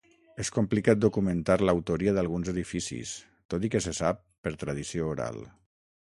És complicat documentar l'autoria d'alguns edificis, tot i que se sap per tradició oral.